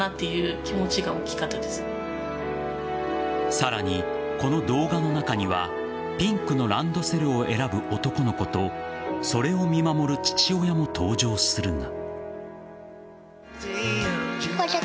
さらに、この動画の中にはピンクのランドセルを選ぶ男の子とそれを見守る父親も登場するが。